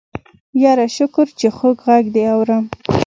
يره شکر چې خوږ غږ دې اورم.